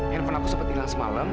handphone aku sempat bilang semalam